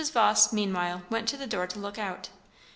Vawse meanwhile went to the door to look out.